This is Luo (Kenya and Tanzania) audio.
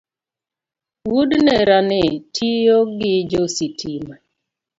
Wuod nerani tiyo gi jo sitima